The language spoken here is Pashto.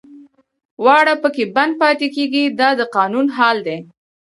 واړه پکې بند پاتې کېږي دا د قانون حال دی.